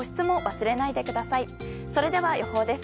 それでは、予報です。